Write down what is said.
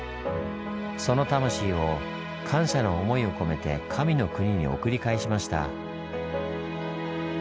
その魂を感謝の思いを込めて神の国に送り返しました。